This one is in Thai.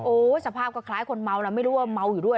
สภาพก็คล้ายคนเมาแล้วไม่รู้ว่าเมาอยู่ด้วย